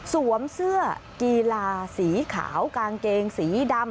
สวมเสื้อกีฬาสีขาวกางเกงสีดำ